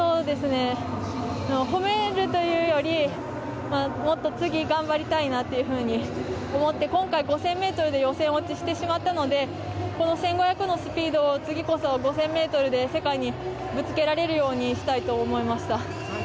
褒めるというよりもっと次、頑張りたいと思って今回、５０００ｍで予選落ちしてしまったのでこの１５００のスピードを次こそ５０００ｍで世界にぶつけられるようにしたいと思いました。